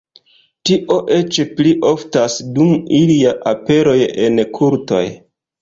Tio eĉ pli oftas dum ilia aperoj en kultoj.